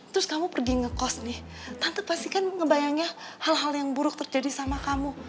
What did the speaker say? terus kamu pergi ngekos nih tante pastikan ngebayangnya hal hal yang buruk terjadi sama kamu